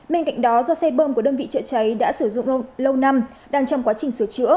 bên cạnh đó do xe bơm của đơn vị chữa cháy đã sử dụng lâu năm đang trong quá trình sửa chữa